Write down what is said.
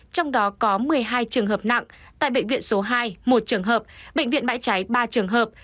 trong đó có một mươi hai trường hợp nặng tại bệnh viện số hai một trường hợp bệnh viện bãi cháy ba trường hợp